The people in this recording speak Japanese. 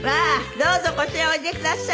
どうぞこちらへおいでください。